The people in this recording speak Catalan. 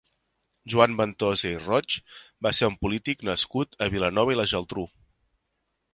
Joan Ventosa i Roig va ser un polític nascut a Vilanova i la Geltrú.